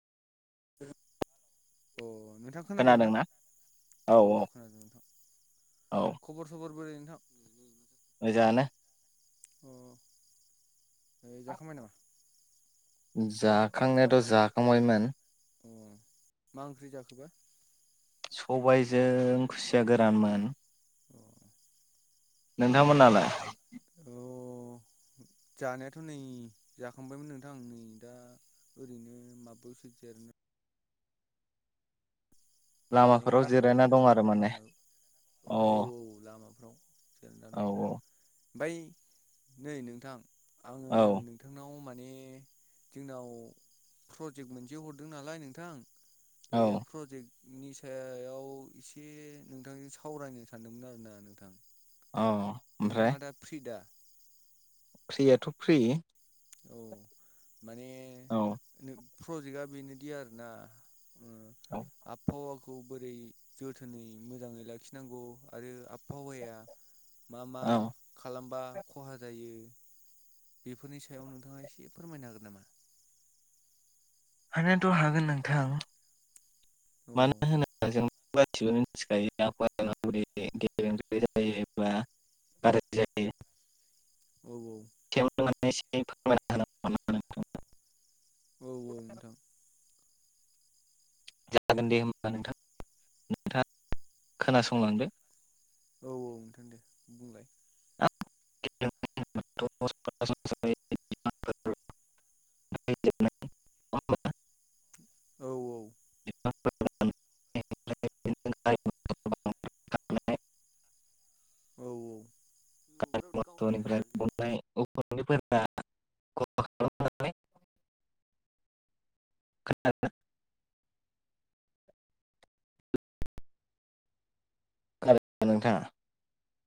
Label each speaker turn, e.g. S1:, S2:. S1: [unintelligible]
S2: अ नोंथाङा खोनादों ना?
S1: खोनादोंना औ
S2: औ-औ
S1: औ
S2: खोनादों नोंथां। खबर-सबर बोरै नोंथां?
S1: मोजांआनो
S2: अ जाखांबाय नामा?
S1: जाखांनायाथ' जाखांबायमोन।
S2: अ मा ओंख्रि जाखोबा?
S1: सबायजों खुसिया गोरानमोन।
S2: औ।
S1: नोंथांमोननालाय?
S2: अ [unintelligible] जानायाथ' नै जाखांबायमोन नोंथां आं नै दा ओरैनो माबबायावसो जिरायना माने
S1: लामाफोराव
S2: बारहावा
S1: जिरायना
S2: जादों
S1: दं आरो
S2: आरोना
S1: माने
S2: लामायाव, औ औ लामायाव जिरायना दं।
S1: औ
S2: ओमफ्राय नै नोंथां आङो
S1: औ
S2: नोंथांनाव मा ने जोंनाव प्रजेक्ट मोनसे हरदों नालाय नोंथां बे
S1: औ
S2: प्रजेक्ट नि सायाव एसे नोंथांजों सावरायनो सानदोंमोन आरोना नोंथां।
S1: औ ओमफ्राय
S2: नोंथाङा दा फ्रि दा?
S1: फ्रियाथ' फ्रि।
S2: औ माने
S1: औ
S2: प्रजेक्टआ बेनोदि आरोना
S1: औ
S2: आबहावा खौ बोरै जोथोनै मोजाङै लाखिनांगौ आरो आबहावाया मा मा
S1: औ
S2: खालामबा खहा जायो बेफोरनि सायाव नोंथाङा एसे फोरमायनो हागोन नामा?
S1: हानायाथ' हागोन नोंथां
S2: औ
S1: मानो होनोबा जों गासिबो मोनथिखायो [unintelligible] [unintelligible]
S2: औ औ।
S1: [unintelligible]
S2: औ औ नोंथां
S1: जागोन दे होमबा नोंथां नोंथाङा खोनासंलांदो
S2: औ औ नोंथां दे बुंलाय
S1: [unintelligible] [unintelligible]
S2: औ औ
S1: [unintelligible]
S2: औ औ औ
S1: [unintelligible] [unintelligible] [unintelligible] नोंथाङा